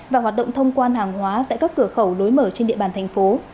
và hoạt động thông quan hàng hóa tại các cửa khẩu lối mở trên địa bàn thành phố